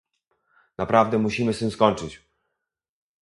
Naprawdę musimy z tym skończyć